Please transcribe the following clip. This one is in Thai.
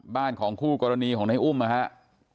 บ้านของคู่กรณีของในอุ้มนะครับ